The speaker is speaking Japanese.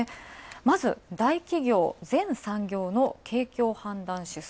まず、大企業全産業の景況判断指数。